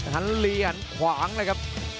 หันเหลี่ยนขวางเลยครับ